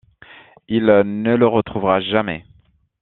Il ne le retrouvera jamais.